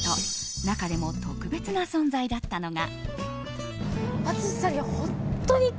中でも特別な存在だったのが。